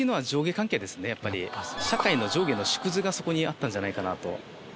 社会の上下の縮図がそこにあったんじゃないかなと。